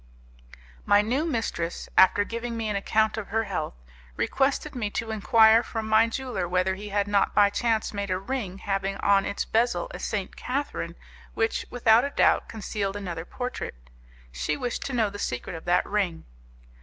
My new mistress, after giving me an account of her health, requested me to enquire from my jeweller whether he had not by chance made a ring having on its bezel a St. Catherine which, without a doubt, concealed another portrait; she wished to know the secret of that ring.